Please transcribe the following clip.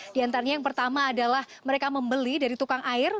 di antaranya yang pertama adalah mereka membeli dari tukang air